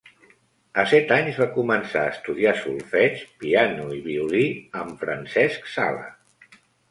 A set anys va començar a estudiar solfeig, piano i violí amb Francesc Sala.